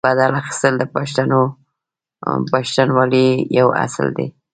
بدل اخیستل د پښتونولۍ یو اصل دی.